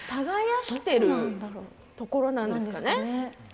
耕しているところなんですかね。